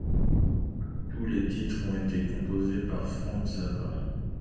Tous les titres ont été composés par Frank Zappa.